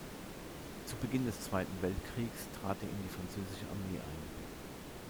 Zu Beginn des Zweiten Weltkriegs trat er in die französische Armee ein.